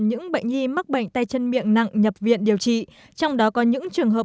những bệnh nhi mắc bệnh tay chân miệng nặng nhập viện điều trị trong đó có những trường hợp